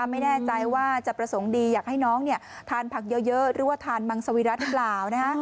ไม่แน่ใจว่าจะประสงค์ดีอยากให้น้องทานผักเยอะหรือว่าทานมังสวิรัติหรือเปล่า